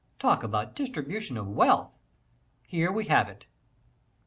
Talk about "Distribution of Wealth"! Here we have it.